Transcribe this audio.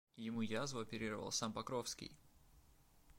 Ему язву оперировал сам Покровский.